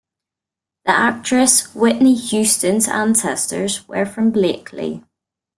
The actress Whitney Houston's ancestors were from Blakely.